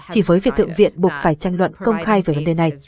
chỉ với việc thượng viện buộc phải tranh luận công khai về vấn đề này